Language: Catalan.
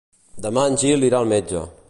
Demà en Gil irà al metge.